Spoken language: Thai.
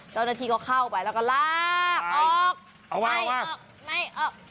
เจ้าหน้าที่เขาเข้าไปแล้วก็ลากออกไม่ออกไม่ออกไม่ออกไม่ออก